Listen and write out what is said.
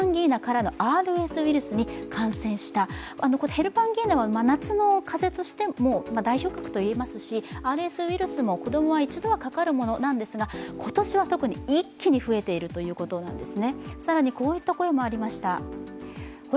ヘルパンギーナは夏の風邪としても、代表格といえますし、ＲＳウイルスも子供は一度はかかるものなんですが、今年は特に一気に増えているということなんです。